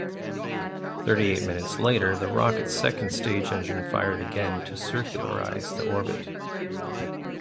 Thirty-eight minutes later, the rocket's second-stage engine fired again to circularize the orbit.